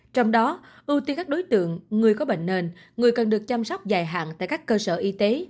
trong đó ưu tiên các đối tượng người có bệnh nền người cần được chăm sóc dài hạn tại các cơ sở y tế